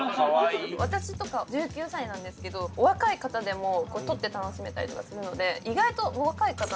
私とか１９歳なんですけどお若い方でも撮って楽しめたりとかするので意外とお若い方なのかな。